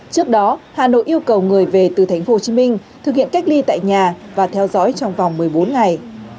trước đó hà nội yêu cầu người về từ tp hcm thực hiện cách ly tại nhà và theo dõi trong vòng một mươi bốn ngày